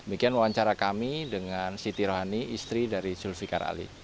demikian wawancara kami dengan siti rohani istri dari zulfiqar ali